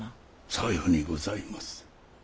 さようにございます。